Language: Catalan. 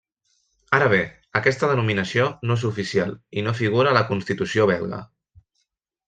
Ara bé, aquesta denominació no és oficial i no figura a la Constitució belga.